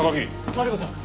マリコさん！